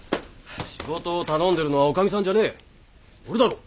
仕事を頼んでるのは女将さんじゃねえ俺だろう。